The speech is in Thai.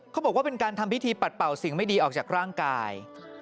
เขาบอกว่าเป็นการทำพิธีปัดเป่าสิ่งไม่ดีออกจากร่างกาย